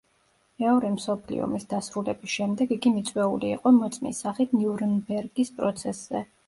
მეორე მსოფლიო ომის დასრულების შემდეგ იგი მიწვეული იყო მოწმის სახით ნიურნბერგის პროცესზე.